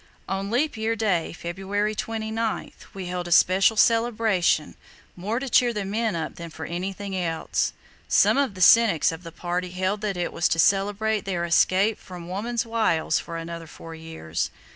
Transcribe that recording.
On Leap Year day, February 29, we held a special celebration, more to cheer the men up than for anything else. Some of the cynics of the party held that it was to celebrate their escape from woman's wiles for another four years.